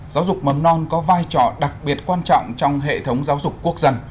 giáo dục mầm non có vai trò đặc biệt quan trọng trong hệ thống giáo dục quốc dân